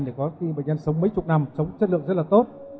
để có khi bệnh nhân sống mấy chục năm sống chất lượng rất là tốt